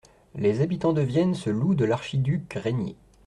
Les habitans de Vienne se louent de l'archiduc Rainier.